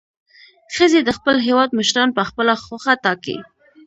ښځې د خپل هیواد مشران په خپله خوښه ټاکي.